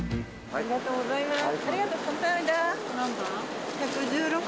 ありがとうございます。